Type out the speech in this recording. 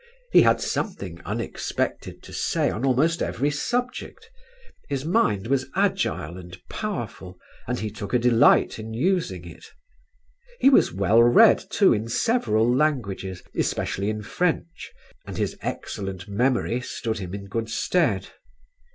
He had something unexpected to say on almost every subject. His mind was agile and powerful and he took a delight in using it. He was well read too, in several languages, especially in French, and his excellent memory stood him in good stead.